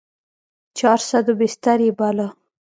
چارصد بستر يې باله.